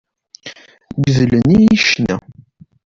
Gedlen-iyi ccna.